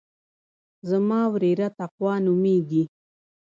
زما وريره تقوا نوميږي.